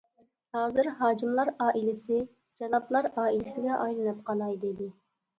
ھازىر ھاجىملار ئائىلىسى جالاپلار ئائىلىسىگە ئايلىنىپ قالاي دېدى.